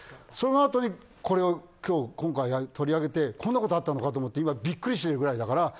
そのあとに、これを今日今回取り上げてこんなことあったのかとビックリしているぐらいだから。